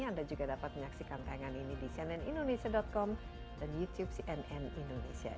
anda juga dapat menyaksikan tayangan ini di cnnindonesia com dan youtube cnn indonesia